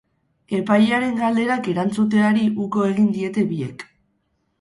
Epailearen galderak erantzuteari uko egin diete biek.